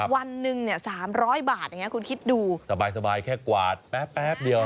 วันหนึ่ง๓๐๐บาทคุณคิดดูสบายแค่กวาดแป๊บเดี๋ยว